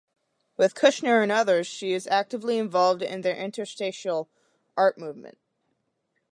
With Kushner and others, she is actively involved in the Interstitial art movement.